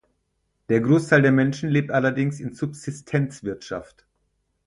Der Großteil der Menschen lebt allerdings in Subsistenzwirtschaft.